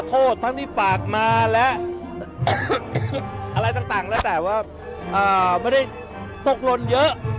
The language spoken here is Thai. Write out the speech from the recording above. โทษทั้งที่ปากมาและอะไรต่างแล้วแต่ว่าไม่ได้ตกหล่นเยอะ